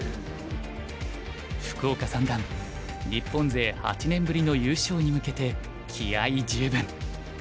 福岡三段日本勢８年ぶりの優勝に向けて気合い十分。